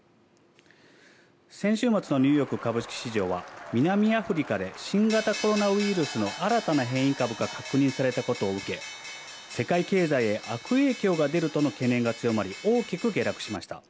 先週末のニューヨーク株式市場は南アフリカで新型コロナウイルスの新たな変異株が確認されたことを受け、世界経済へ悪影響が出るとの懸念が強まり大きく下落しました。